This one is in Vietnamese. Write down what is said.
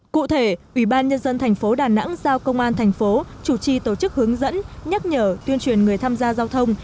cụ thể ủy ban nhân dân thành phố đà nẵng giao công an thành phố chủ trì tổ chức hướng dẫn nhắc nhở tuyên truyền người tham gia giao thông